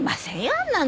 あんなの！